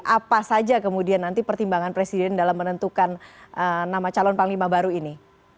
apa saja kemudian nanti pertimbangan presiden dalam menentukan nama calon panglima baru ini